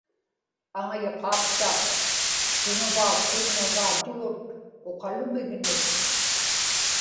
aŋayuqaapta kiŋuvaaksriñŋagaatigut uqalumignik